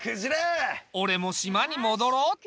俺も島に戻ろうっと。